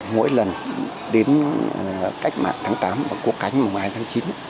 mỗi lần đến cách mạng tháng tám và quốc khánh mùa mai tháng chín